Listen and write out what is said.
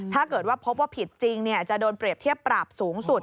ถ้าเกิดว่าพบว่าผิดจริงจะโดนเปรียบเทียบปรับสูงสุด